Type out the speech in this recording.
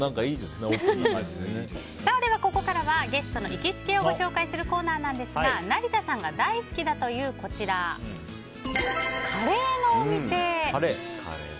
ここからはゲストの行きつけをご紹介するコーナーですが成田さんが大好きだというこちらカレーのお店。